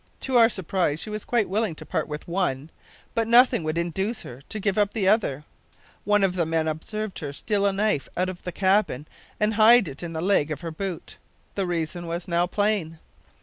To our surprise she was quite willing to part with one, but nothing would induce her to give up the other. One of the men observed her steal a knife out of the cabin and hide it in the leg of her boot. The reason was now plain.